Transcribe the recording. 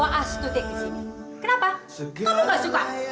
kenapa kamu gak suka